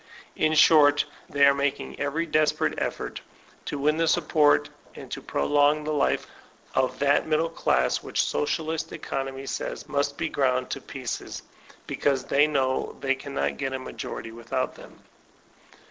In short, they are making every desperate effort to win the support, and to prolong the life, of that middle class which socialistic economy says must be ground to pieces, because they know they cannot get a majority without them.